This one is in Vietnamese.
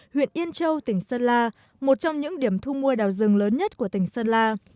huyện yên châu tỉnh sơn la một trong những điểm thu mua đào rừng lớn nhất của tỉnh sơn la